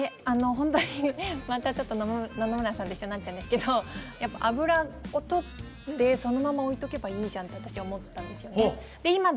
ホントにまたちょっと野々村さんと一緒になっちゃうんですけどやっぱあぶらを取ってそのまま置いとけばいいじゃんって私思ったんですよねで